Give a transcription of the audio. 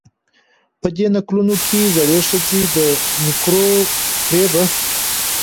په دې نکلونو کې زړې ښځې د مکرو و فرېبه